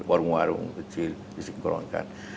warung warung kecil disingkronkan